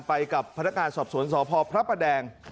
ไปกับพนักงานสอบสวนสพพระประแดง